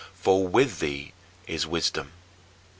For with thee is wisdom.